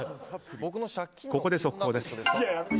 ここで速報です。